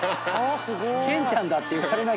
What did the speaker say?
ケンちゃんだって言われなきゃ。